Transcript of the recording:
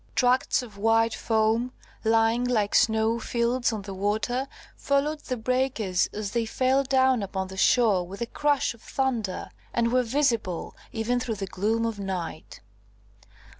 Tracts of white foam, lying like snow fields on the water, followed the breakers as they fell down upon the shore with a crash of thunder, and were visible even through the gloom of night.